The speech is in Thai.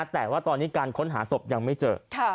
แต่ว่าตอนนี้การค้นหาศพยังไม่เจอ